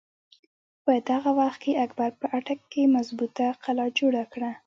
په دغه وخت کښې اکبر په اټک کښې مظبوطه قلا جوړه کړه۔